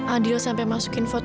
adil tuh beruntung banget